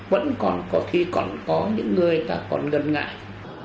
vẫn còn có khi còn có những người ta còn ngần ngại